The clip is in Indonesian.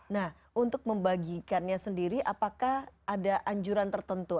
nah untuk membagikannya sendiri apakah ada anjuran tertentu